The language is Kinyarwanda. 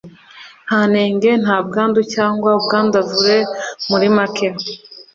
nta nenge, nta bwandu cyangwa ubwandavure, muri make